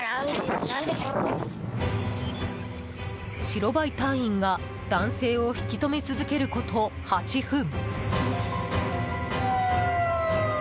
白バイ隊員が男性を引き留め続けること８分。